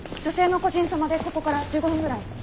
女性の故人様でここから１５分ぐらい。